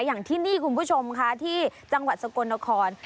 อย่างที่นี่คุณผู้ชมค่ะที่จังหวัดสกลนคร